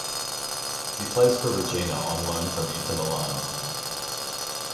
He plays for Reggina on loan from Inter Milan.